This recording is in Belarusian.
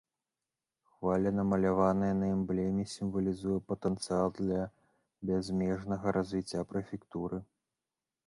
Хваля, намаляваная на эмблеме, сімвалізуе патэнцыял для бязмежнага развіцця прэфектуры.